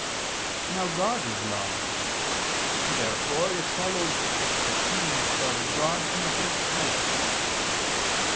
Now God is love. Therefore it follows that he loves God in the first place.